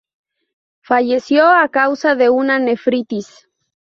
Falleció a causa de una nefritis.